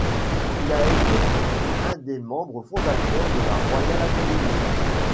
Il a été un des membres fondateurs de la Royal Academy.